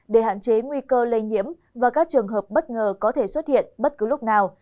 để hạn chế nguy cơ lây nhiễm và các trường hợp bất ngờ có thể xuất hiện bất cứ lúc nào